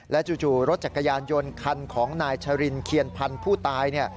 จู่รถจักรยานยนต์คันของนายชรินเคียนพันธ์ผู้ตาย